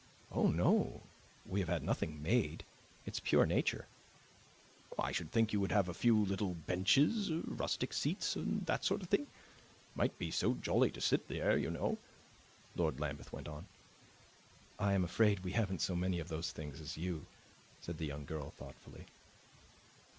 "Oh no, we have had nothing made. It's pure nature." "I should think you would have a few little benches rustic seats and that sort of thing. It might be so jolly to sit here, you know," Lord Lambeth went on. "I am afraid we haven't so many of those things as you," said the young girl thoughtfully.